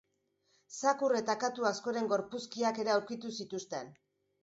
Zakur eta katu askoren gorpuzkiak ere aurkitu zituzten.